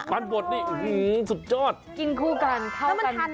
มันบดดีสุดจอดกินคู่กันเข้ากัน